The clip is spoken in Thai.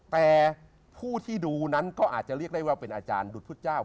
แต่ผู้ที่ดูนั้นก็อาจจะเรียกได้ว่าเป็นอาจารย์ดุดพุทธเจ้า